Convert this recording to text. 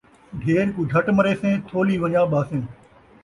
ڈھیر کوں جھٹ مریسیں ، تھولی ون٘ڄا ٻہسیں